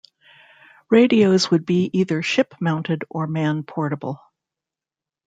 Radios would be either ship-mounted or man-portable.